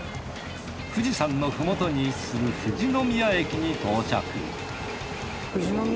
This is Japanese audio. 富士山の麓に位置する富士宮駅に到着